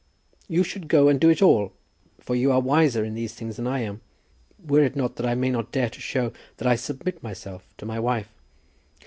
"You should go and do it all, for you are wiser in these things than I am, were it not that I may not dare to show that I submit myself to my wife."